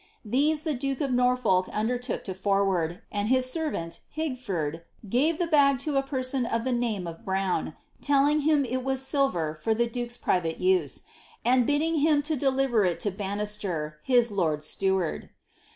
These the duke of Norfolk undertook to forward, and his servant, Higford, gave the bag to a person of the name of Brown, telling him it was silver for the duke's private use, and bidding him de» lirer it to Banister, his lord's steward.